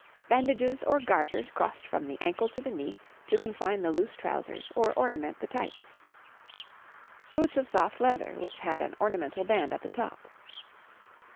Bandages or garters crossed from the ankle to the knee to confine the loose trousers or ornament the tights. Boots of soft leather which had an ornamental band at the top.